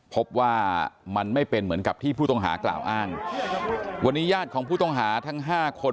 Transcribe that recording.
พบว่ามันไม่เป็นเหมือนกับที่ผู้ต้องหากล่าวอ้างวันนี้ญาติของผู้ต้องหาทั้งห้าคน